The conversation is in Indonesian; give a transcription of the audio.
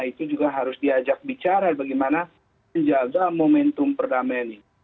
itu juga harus diajak bicara bagaimana menjaga momentum perdamaian ini